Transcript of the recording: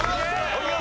お見事。